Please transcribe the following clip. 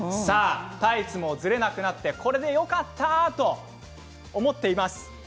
タイツもズレなくなってこれでよかった！と思っています。